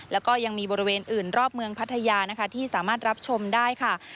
แล้วก็ยังมีบริเวณอื่นรอบเมืองพัทยานะคะที่สามารถรับชมได้ค่ะ